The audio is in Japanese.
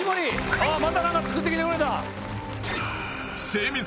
また何か作って来てくれた！